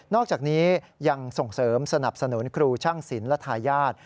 อกจากนี้ยังส่งเสริมสนับสนุนครูช่างศิลป์และทายาท